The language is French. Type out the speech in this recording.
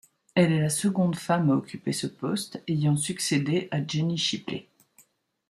Elle est la seconde femme à occuper ce poste, ayant succédé à Jenny Shipley.